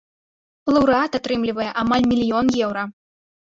Лаўрэат атрымлівае амаль мільён еўра.